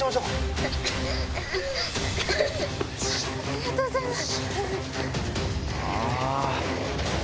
ありがとうございます。